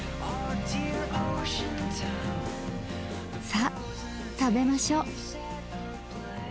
さっ食べましょ。